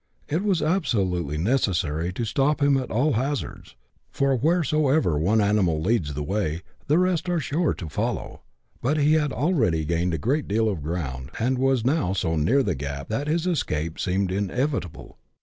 It was absolutely necessary to stop him at alj hazards ; for wheresoever one animal leads the way, the rest are sure to follow : but he had already gained a great deal of ground, and was now so near the gap, that his escape seemed inevitable.